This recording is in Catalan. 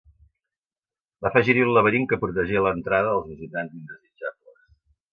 Va afegir-hi un laberint que protegia l'entrada dels visitants indesitjables.